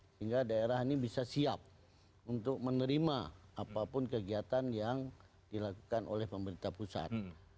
sehingga daerah ini bisa siap untuk menerima apapun kegiatan yang dilakukan oleh pemerintah pusat